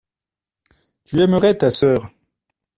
Tu aimerais ta sœur.